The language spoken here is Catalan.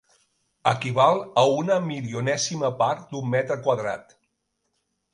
Equival a una milionèsima part d'un metre quadrat.